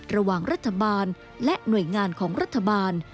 ระหว่างรัฐบาลและหน่วยงานของรัฐบาล